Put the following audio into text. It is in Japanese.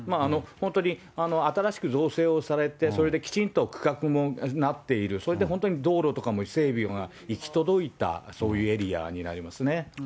本当に新しく造成をされて、それできちんと区画もなっている、それで道路とかも整備が行き届いた、そういうエリアになりますね。